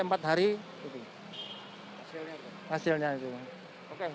oke terima kasih